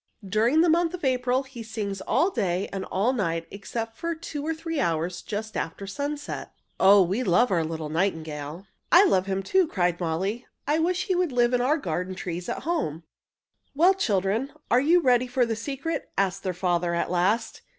During the month of April he sings all day and all night, except for two or three hours just after sunset. Oh, we love our little nightingale!" [Illustration: A nightingale had a nest somewhere in the garden] "I love him, too!" cried Molly. "I wish he would live in our garden trees at home." "Well, children, are you ready for the secret?" asked their father, at last.